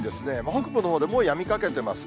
北部のほうでもう、やみかけてます。